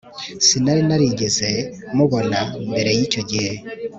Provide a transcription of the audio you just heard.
sinari narigeze mubona mbere yicyo gihe